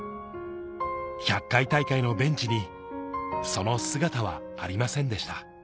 １００回大会のベンチにその姿はありませんでした。